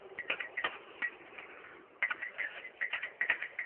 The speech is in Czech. Jejich konstruktérem byl Sir Edward Reed.